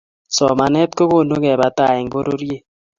Somanet kokonu kepa tai eng' pororiet